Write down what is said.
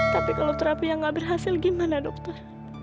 tapi kalau terapi yang nggak berhasil gimana dokter